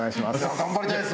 頑張りたいです。